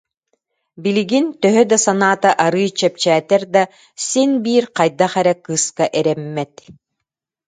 Билигин, төһө да санаата арыый чэпчээтэр да, син биир хайдах эрэ кыыска эрэммэт